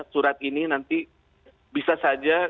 surat ini nanti bisa saja